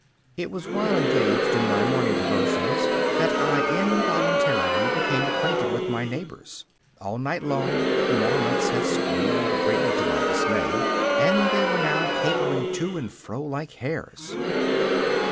It was while engaged in my morning devotions that I involuntarily became acquainted with my neighbours. All night long the marmots had squealed, greatly to my dismay, and they were now capering to and fro like hares.